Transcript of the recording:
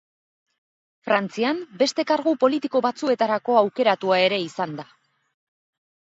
Frantzian beste kargu politiko batzuetarako aukeratua ere izan da.